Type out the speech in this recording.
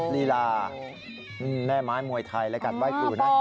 ลีลาแม่ไม้มวยไทยและการไหว้ครูนะ